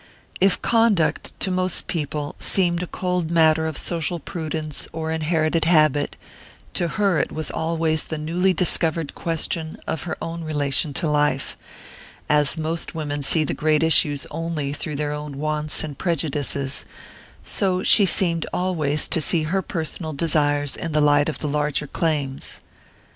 If conduct, to most people, seemed a cold matter of social prudence or inherited habit, to her it was always the newly discovered question of her own relation to life as most women see the great issues only through their own wants and prejudices, so she seemed always to see her personal desires in the light of the larger claims.